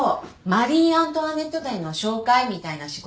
マリーアントワネット展の紹介みたいな仕事。